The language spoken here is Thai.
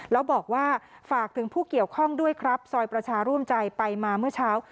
แล้วบอกว่าฝากถึงผู้เกี่ยวข้องด้วยครับซอยประชาร่วมใจไปมาเมื่อเช้า